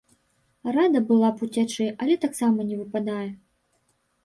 Рада была б уцячы, але таксама не выпадае.